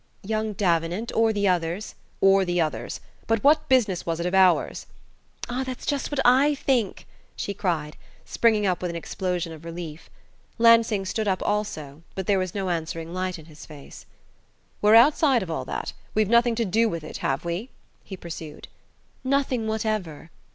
"Young Davenant; or the others...." "Or the others. But what business was it of ours?" "Ah, that's just what I think!" she cried, springing up with an explosion of relief. Lansing stood up also, but there was no answering light in his face. "We're outside of all that; we've nothing to do with it, have we?" he pursued. "Nothing whatever."